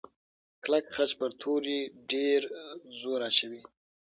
کلک خج پر توري ډېر زور اچوي.